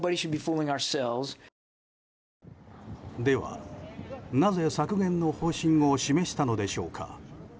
では、なぜ削減の方針を示したのでしょうか。